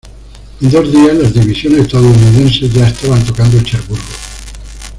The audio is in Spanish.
En dos días, las divisiones estadounidenses ya estaban tocando Cherburgo.